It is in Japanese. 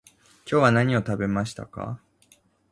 今日は何を食べましたか？